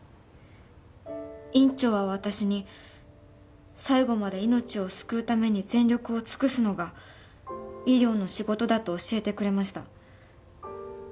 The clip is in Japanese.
院長は私に最後まで命を救うために全力を尽くすのが医療の仕事だと教えてくれました。